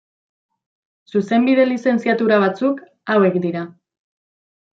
Zuzenbide Lizentziatura batzuk hauek dira.